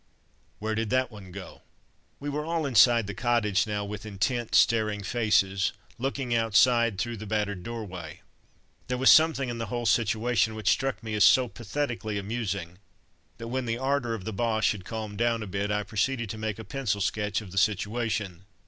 _, "Where did that one go?" We were all inside the cottage now, with intent, staring faces, looking outside through the battered doorway. There was something in the whole situation which struck me as so pathetically amusing, that when the ardour of the Boches had calmed down a bit, I proceeded to make a pencil sketch of the situation.